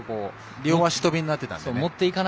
両足跳びになっていたからね。